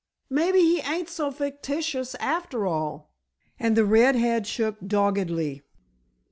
"Maybe he ain't so fictitious after all," and the red head shook doggedly.